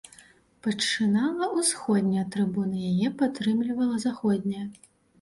Пачынала ўсходняя трыбуна, яе падтрымлівала заходняя.